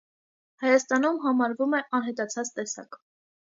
Հայաստանում համարվում է անհետացած տեսակ։